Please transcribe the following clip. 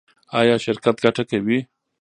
ایا شرکت ګټه کوي؟